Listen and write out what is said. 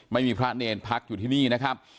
ไม่มีพระเนรพักอยู่ที่นี่นะครับ